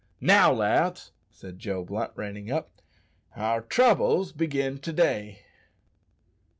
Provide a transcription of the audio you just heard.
"Now, lads," said Joe Blunt, reining up, "our troubles begin to day."